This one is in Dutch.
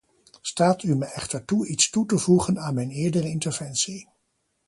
Staat u me echter toe iets toe te voegen aan mijn eerdere interventie.